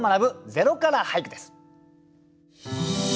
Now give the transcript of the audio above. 「０から俳句」です。